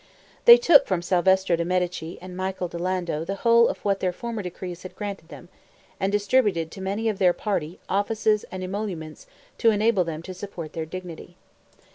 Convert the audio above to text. They took from Salvestro de' Medici and Michael di Lando the whole of what their former decrees had granted them, and distributed to many of their party offices and emoluments to enable them to support their dignity.